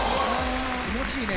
気持ちいいね。